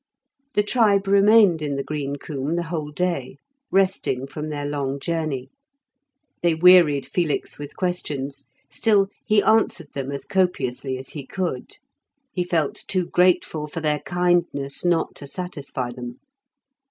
The tribe remained in the green coombe the whole day, resting from their long journey. They wearied Felix with questions, still he answered them as copiously as he could; he felt too grateful for their kindness not to satisfy them.